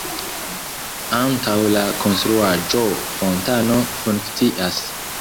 Antaŭ la konstruaĵo fontano funkcias.